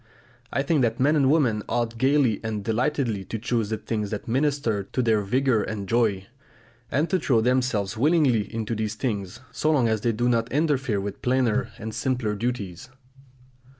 I think that men and women ought gaily and delightedly to choose the things that minister to their vigour and joy, and to throw themselves willingly into these things, so long as they do not interfere with plainer and simpler duties.